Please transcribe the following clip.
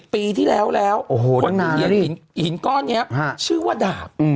๑๐ปีที่แล้วแล้วคนมีหินก้อนนี้ชื่อว่าดาบ